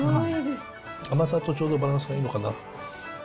甘さとちょうどバランスがいいのかな。